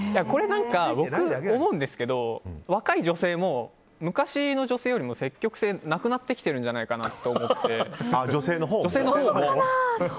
僕、思うんですけど若い女性も、昔の女性よりも積極性なくなってきているんじゃないかなと思って。